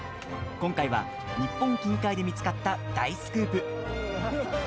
今回は、日本近海で見つかった大スクープ！